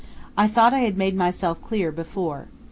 I thought I had made myself clear before.